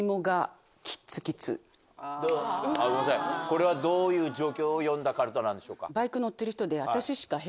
これはどういう状況を詠んだかるたなんでしょうか？